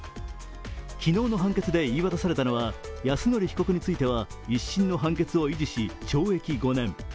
昨日の判決で言い渡されたのは泰典被告については１審の判決を維持し懲役５年。